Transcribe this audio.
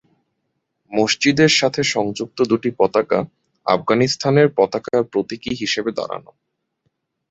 মসজিদের সাথে সংযুক্ত দুটি পতাকা, আফগানিস্তানের পতাকার প্রতীকী হিসেবে দাঁড়ানো।